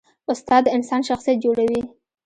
استاد د انسان شخصیت جوړوي.